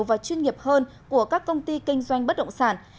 và chuyên nghiệp hơn của các công ty kinh doanh bất động sản